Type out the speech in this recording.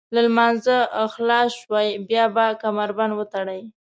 له لمانځه خلاص شوئ بیا به کمربند وتړئ.